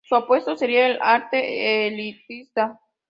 Su opuesto sería el arte elitista.